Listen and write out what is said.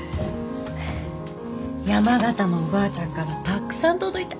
山形のおばあちゃんからたくさん届いた。